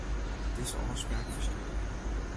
Dizze ôfspraak ferstjoere.